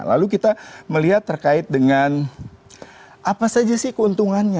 lalu kita melihat terkait dengan apa saja sih keuntungannya